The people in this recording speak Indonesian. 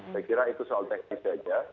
saya kira itu soal teknis saja